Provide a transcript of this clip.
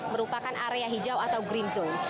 merupakan area hijau atau green zone